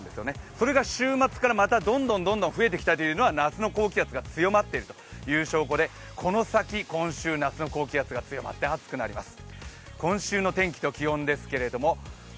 それが週末からどんどん増えてきた理由は夏の高気圧が強まっている証拠でこの先、今週、夏の高気圧が強まって暑くなります。